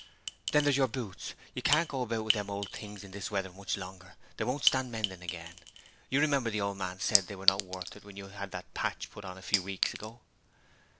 'Then there's your boots; you can't go about with them old things in this weather much longer, and they won't stand mending again. You remember the old man said they were not worth it when you had that patch put on a few weeks ago.'